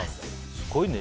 すごいね。